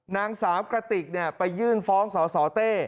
นางสามกระติกเนี่ยไปยื่นฟ้องศศเต้